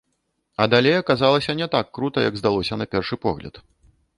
А далей аказалася не так крута, як здалося на першы погляд.